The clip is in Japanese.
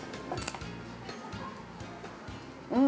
うん！